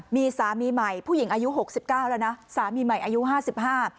มีสามีใหม่ผู้หญิงอายุหกสิบเก้าแล้วนะสามีใหม่อายุห้าสิบห้า